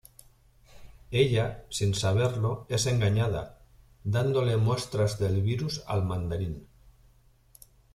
Ella, sin saberlo, es engañada, dándole muestras del virus al Mandarín.